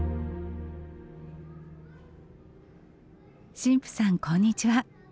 神父さんこんにちは。